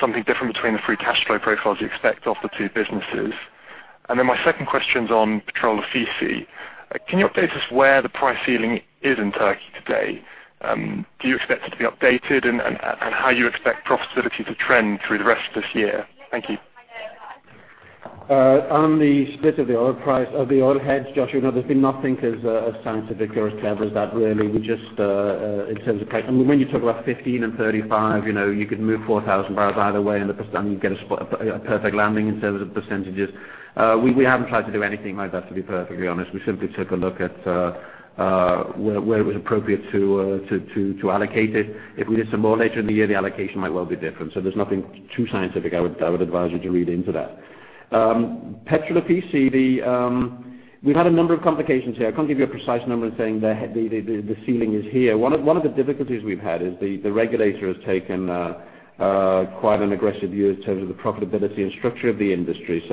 something different between the free cash flow profiles you expect of the two businesses. My second question's on Petromservice. Can you update us where the price ceiling is in Turkey today? Do you expect it to be updated? How you expect profitability to trend through the rest of this year? Thank you. On the split of the oil price of the oil hedge, Joshua, there's been nothing as scientific or as clever as that, really. When you talk about 15 and 35, you could move 4,000 barrels either way, you get a perfect landing in terms of percentages. We haven't tried to do anything like that, to be perfectly honest. We simply took a look at where it was appropriate to allocate it. If we did some more later in the year, the allocation might well be different. There's nothing too scientific I would advise you to read into that. Petromservice, we've had a number of complications here. I can't give you a precise number saying the ceiling is here. One of the difficulties we've had is the regulator has taken quite an aggressive view in terms of the profitability and structure of the industry.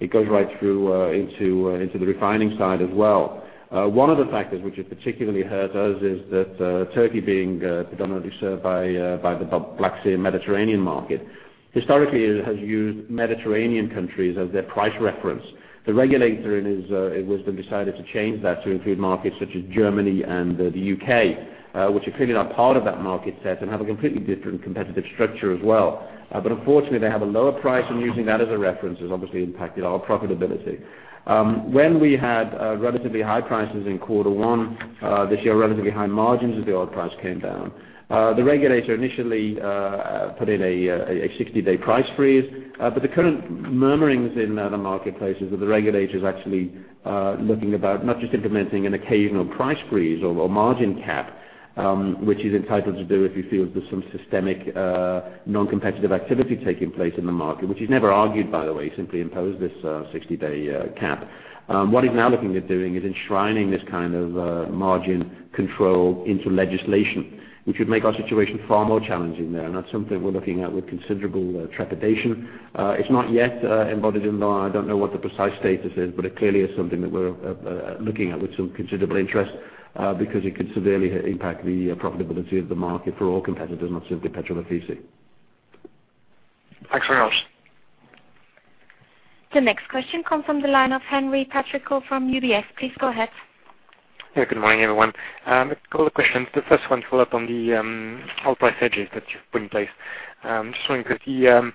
It goes right through into the refining side as well. One of the factors which has particularly hurt us is that Turkey, being predominantly served by the Black Sea Mediterranean market, historically, it has used Mediterranean countries as their price reference. The regulator in his wisdom decided to change that to include markets such as Germany and the U.K., which are clearly not part of that market set and have a completely different competitive structure as well. Unfortunately, they have a lower price, and using that as a reference has obviously impacted our profitability. When we had relatively high prices in Q1 this year, relatively high margins as the oil price came down. The regulator initially put in a 60-day price freeze. The current murmurings in the marketplace is that the regulator's actually looking about not just implementing an occasional price freeze or margin cap, which he's entitled to do if he feels there's some systemic non-competitive activity taking place in the market, which he's never argued, by the way, simply imposed this 60-day cap. What he's now looking at doing is enshrining this kind of margin control into legislation, which would make our situation far more challenging there. That's something we're looking at with considerable trepidation. It's not yet embodied in law. I don't know what the precise status is, but it clearly is something that we're looking at with some considerable interest, because it could severely impact the profitability of the market for all competitors, not simply Petromservice. Thanks very much. The next question comes from the line of Henri Patricot from UBS. Please go ahead. Good morning, everyone. A couple of questions. The first one to follow up on the oil price hedges that you've put in place. Just wondering, because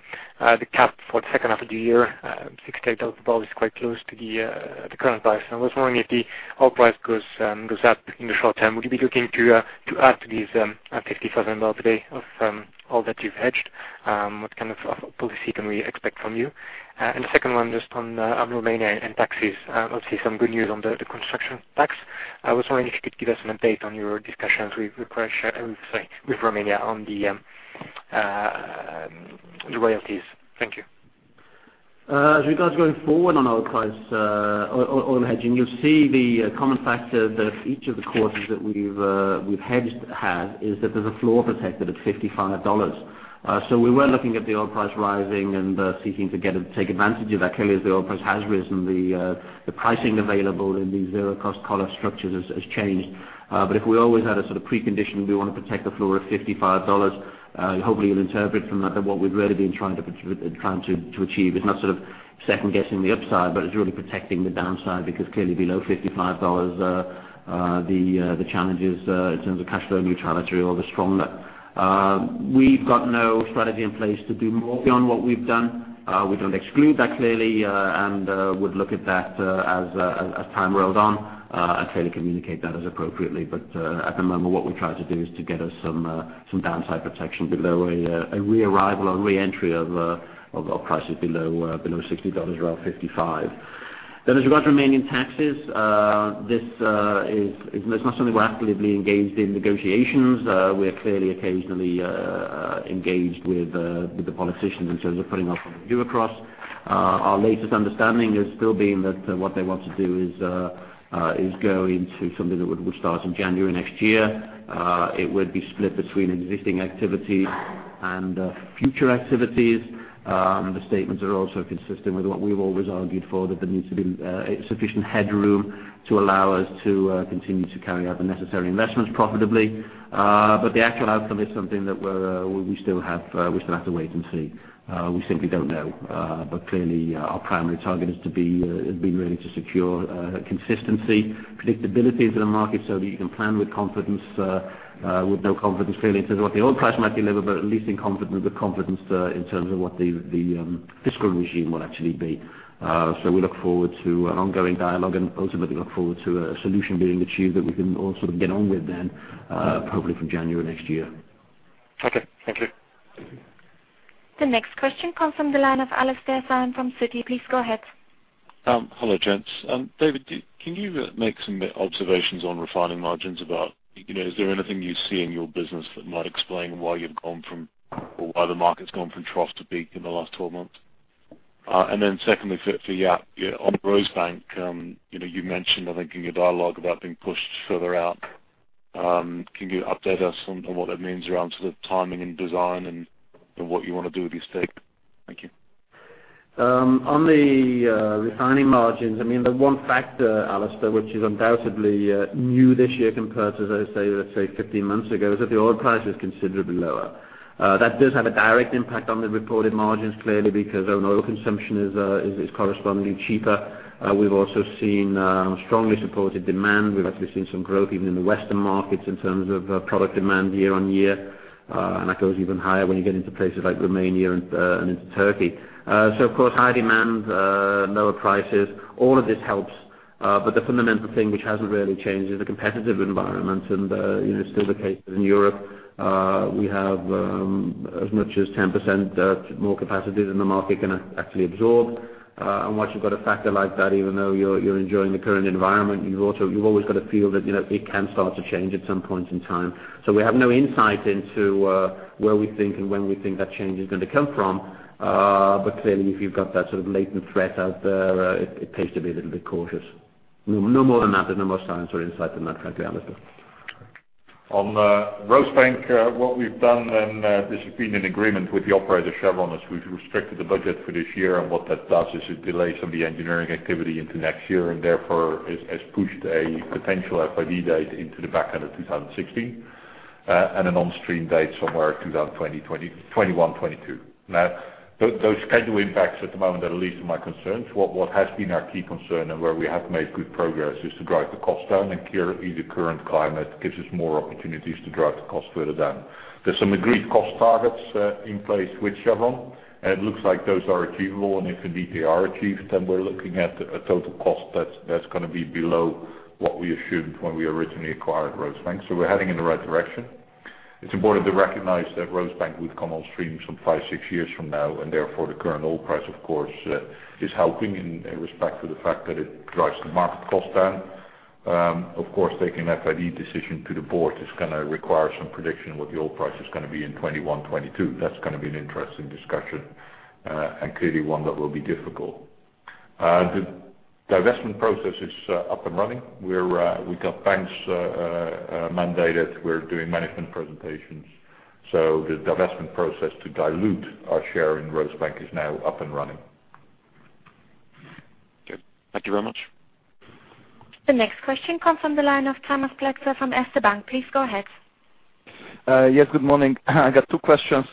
the cap for the second half of the year, EUR 68 a barrel, is quite close to the current price. I was wondering if the oil price goes up in the short term, would you be looking to add to these 50,000 barrels a day of oil that you've hedged? What kind of policy can we expect from you? The second one, just on Romania and taxes. Obviously, some good news on the construction tax. I was wondering if you could give us an update on your discussions with Romania on the royalties. Thank you. As regards going forward on oil price, oil hedging, you'll see the common factor that each of the quarters that we've hedged had is that there's a floor protected at EUR 55. We were looking at the oil price rising and seeking to take advantage of that. Clearly, as the oil price has risen, the pricing available in these zero-cost collar structures has changed. If we always had a sort of precondition, we want to protect the floor of EUR 55, hopefully you'll interpret from that what we've really been trying to achieve is not sort of second-guessing the upside, but it's really protecting the downside, because clearly below EUR 55, the challenges in terms of cash flow neutrality are all the stronger. We've got no strategy in place to do more beyond what we've done. We don't exclude that, clearly, and would look at that as time rolls on, and clearly communicate that as appropriately. At the moment, what we're trying to do is to get us some downside protection below a re-arrival or re-entry of oil prices below EUR 60, around 55. As regards Romanian taxes, it's not something we're actively engaged in negotiations. We're clearly occasionally engaged with the politicians in terms of putting our point of view across. Our latest understanding has still been that what they want to do is go into something that would start in January next year. It would be split between existing activities and future activities. The statements are also consistent with what we've always argued for, that there needs to be sufficient headroom to allow us to continue to carry out the necessary investments profitably. The actual outcome is something that we still have to wait and see. We simply don't know. Clearly, our primary target has been really to secure consistency, predictability for the market so that you can plan with confidence, with no confidence clearly in terms of what the oil price might deliver, but at least with confidence in terms of what the fiscal regime will actually be. We look forward to an ongoing dialogue and ultimately look forward to a solution being achieved that we can all sort of get on with then, hopefully from January next year. Okay, thank you. The next question comes from the line of Alistair Ryan from Citi. Please go ahead. Hello, gents. David, can you make some observations on refining margins? Is there anything you see in your business that might explain why the market's gone from trough to peak in the last 12 months? Secondly, for Jaap, on Rosebank, you mentioned, I think in your dialogue about being pushed further out. Can you update us on what that means around sort of timing and design and what you want to do with your stake? Thank you. On the refining margins, the one factor, Alistair, which is undoubtedly new this year compared to, let's say, 15 months ago, is that the oil price is considerably lower. That does have a direct impact on the reported margins, clearly because oil consumption is correspondingly cheaper. We've also seen strongly supported demand. We've actually seen some growth even in the Western markets in terms of product demand year-on-year. That goes even higher when you get into places like Romania and into Turkey. Of course, high demand, lower prices, all of this helps. The fundamental thing which hasn't really changed is the competitive environment. It's still the case that in Europe, we have as much as 10% more capacity than the market can actually absorb. Once you've got a factor like that, even though you're enjoying the current environment, you've always got to feel that it can start to change at some point in time. We have no insight into where we think and when we think that change is going to come from. Clearly, if you've got that sort of latent threat out there, it pays to be a little bit cautious. No more than that. There's no more science or insight than that currently, Alistair. Okay. On Rosebank, what we've done, this has been in agreement with the operator, Chevron, is we've restricted the budget for this year. What that does is it delays some of the engineering activity into next year and therefore has pushed a potential FID date into the back end of 2016, and a on-stream date somewhere 2021, 2022. Those scheduling impacts at the moment are the least of my concerns. What has been our key concern and where we have made good progress is to drive the cost down, clearly the current climate gives us more opportunities to drive the cost further down. There's some agreed cost targets in place with Chevron, it looks like those are achievable. If indeed they are achieved, then we're looking at a total cost that's going to be below what we assumed when we originally acquired Rosebank. We're heading in the right direction. It's important to recognize that Rosebank would come on stream some five, six years from now, and therefore the current oil price, of course, is helping in respect to the fact that it drives the market cost down. Of course, taking an FID decision to the board is going to require some prediction of what the oil price is going to be in 2021, 2022. That's going to be an interesting discussion, clearly one that will be difficult. The divestment process is up and running. We've got banks mandated. We're doing management presentations. The divestment process to dilute our share in Rosebank is now up and running. Okay. Thank you very much. The next question comes from the line of Tamás Pletser from Erste Bank. Please go ahead. Yes, good morning. I got two questions.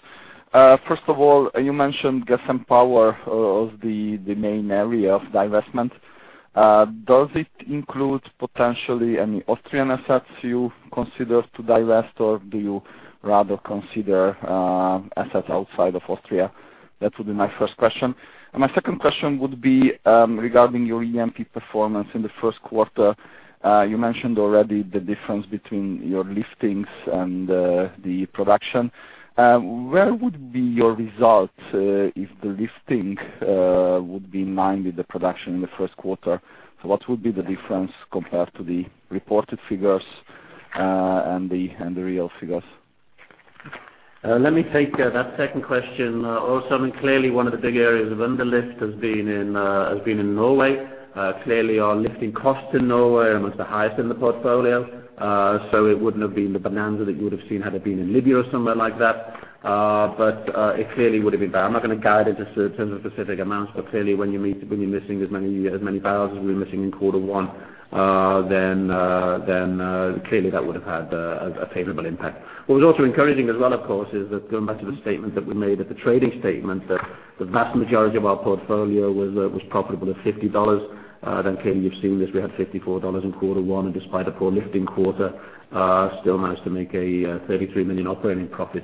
First of all, you mentioned gas and power of the main area of divestment. Does it include potentially any Austrian assets you consider to divest, or do you rather consider assets outside of Austria? That would be my first question. My second question would be, regarding your E&P performance in the first quarter. You mentioned already the difference between your liftings and the production. Where would be your result if the lifting would be in line with the production in the first quarter? What would be the difference compared to the reported figures, and the real figures? Let me take that second question also. I mean, clearly one of the big areas of underlift has been in Norway. Clearly, our lifting costs in Norway are amongst the highest in the portfolio. It wouldn't have been the bonanza that you would have seen had it been in Libya or somewhere like that. It clearly would have been bad. I'm not going to guide it just in terms of specific amounts, but clearly when you're missing as many barrels as we were missing in quarter one, clearly that would have had a favorable impact. What was also encouraging as well, of course, is that going back to the statement that we made at the trading statement, that the vast majority of our portfolio was profitable at $50. Clearly you've seen this, we had $54 in quarter one, and despite a poor lifting quarter, still managed to make a 33 million operating profit.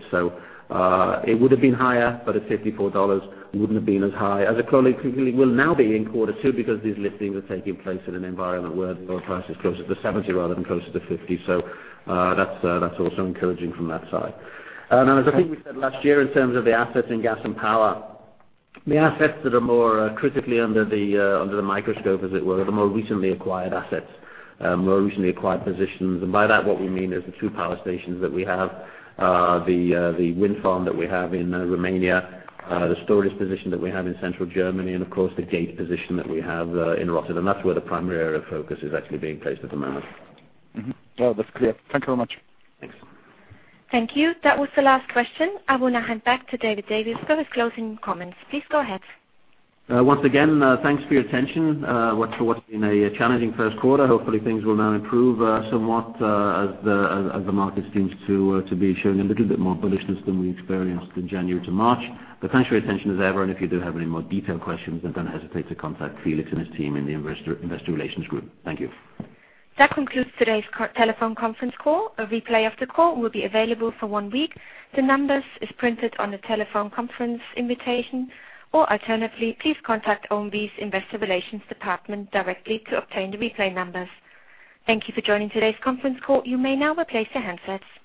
It would have been higher, but at $54, wouldn't have been as high as it currently will now be in quarter two because these liftings are taking place in an environment where the oil price is closer to $70 rather than closer to $50. That's also encouraging from that side. As I think we said last year, in terms of the assets in gas and power, the assets that are more critically under the microscope, as it were, are the more recently acquired assets, more recently acquired positions. By that, what we mean is the two power stations that we have, the wind farm that we have in Romania, the storage position that we have in central Germany, and of course, the GATE position that we have in Rotterdam. That's where the primary area of focus is actually being placed at the moment. That's clear. Thank you very much. Thanks. Thank you. That was the last question. I will now hand back to David Davies for his closing comments. Please go ahead. Once again, thanks for your attention, for what's been a challenging first quarter. Hopefully things will now improve somewhat, as the market seems to be showing a little bit more bullishness than we experienced in January to March. Thanks for your attention as ever, and if you do have any more detailed questions, then don't hesitate to contact Felix and his team in the investor relations group. Thank you. That concludes today's telephone conference call. A replay of the call will be available for one week. The numbers is printed on the telephone conference invitation. Alternatively, please contact OMV's Investor Relations department directly to obtain the replay numbers. Thank you for joining today's conference call. You may now replace your handsets.